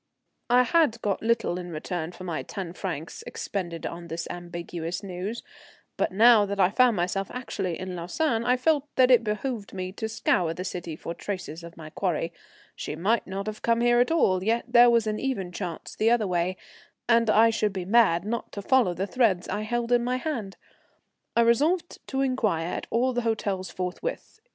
I had got little in return for my ten francs expended on this ambiguous news, but now that I found myself actually in Lausanne I felt that it behoved me to scour the city for traces of my quarry. She might not have come here at all, yet there was an even chance the other way, and I should be mad not to follow the threads I held in my hand. I resolved to inquire at all the hotels forthwith.